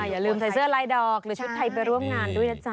อย่าลืมใส่เสื้อลายดอกหรือชุดไทยไปร่วมงานด้วยนะจ๊